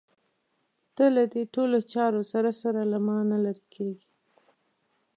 ته له دې ټولو چارو سره سره له مانه لرې کېږې.